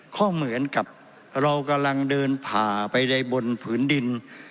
ก็เหมือนกับเรากำลังเดินผ่าไปในบนผืนดิน